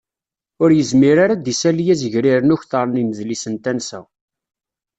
Ur yezmir ara ad d-isali azegrir n ukter n imedlis n tensa.